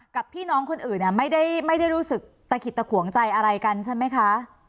กับพี่น้องคนอื่นไม่ได้รู้สึกตะขิดตะขวงใจอะไรกันใช่ไหมคะ